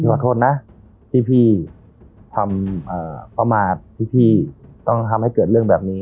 ขอโทษนะที่พี่ทำประมาทที่พี่ต้องทำให้เกิดเรื่องแบบนี้